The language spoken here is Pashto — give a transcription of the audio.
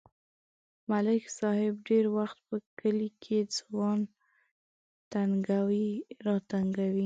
ملک صاحب ډېری وخت په کلي کې ځوان تنگوي راتنگوي.